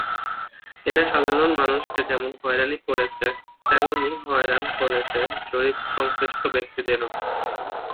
এরা সাধারণ মানুষকে যেমনি হয়রানি করছে, তেমনি হয়রানি করছে জরিপসংশ্লিষ্ট ব্যক্তিদেরও।